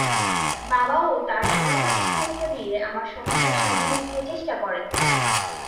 বাবাও তাঁর সর্বোচ্চ ক্ষমতা দিয়ে আমার সংসার সাজিয়ে দিতে চেষ্টা করেন।